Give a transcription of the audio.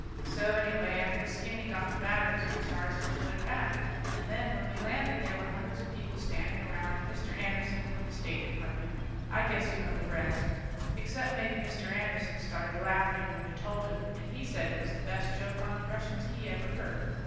So anyway, after Skinny got the batteries recharged, we put it back. And then when we landed there were hundreds of people standing around, and Mr. Anderson from the State Department. I guess you know the rest. Except maybe Mr. Anderson started laughing when we told him, and he said it was the best joke on the Russians he ever heard.